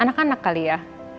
anak anak kali ya